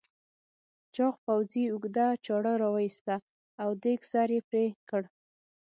چاغ پوځي اوږده چاړه راوایسته او دېگ سر یې پرې کړ.